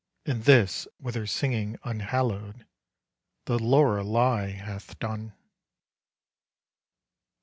And this, with her singing unhallowed, The Lorelei hath done.